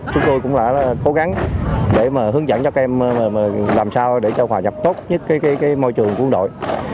chúng tôi cũng đã cố gắng để mà hướng dẫn cho các em làm sao để cho hòa nhập tốt nhất cái môi trường quân đội